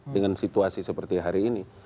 dengan situasi seperti hari ini